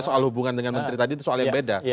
soal hubungan dengan menteri tadi itu soal yang beda